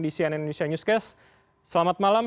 di cnn indonesia newscast selamat malam